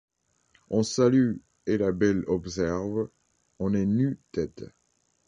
On salue, et la belle observe ; on est nu-tête ;